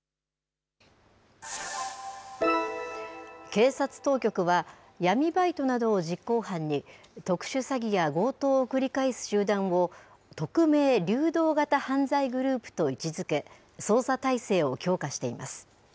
警察当局は、闇バイトなどを実行犯に、特殊詐欺や強盗を繰り返す集団を、匿名・流動型犯罪グループと位置づけ、捜査体制を強化しています。